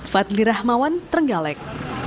fadli rahmawan trenggalek